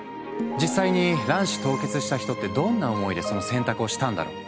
実際に卵子凍結した人ってどんな思いでその選択をしたんだろう？